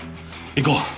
行こう！